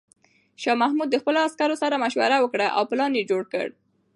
شاه محمود د خپلو عسکرو سره مشوره وکړه او پلان یې جوړ کړ.